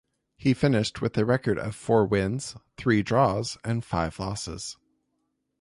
He finished with a record of four wins, three draws, and five losses.